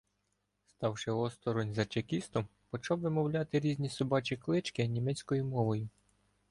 Ставши осторонь за Чекістом, почав вимовляти різні собачі клички німецькою мовою.